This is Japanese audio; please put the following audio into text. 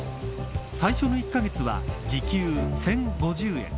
最初の１カ月は時給１０５０円。